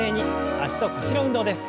脚と腰の運動です。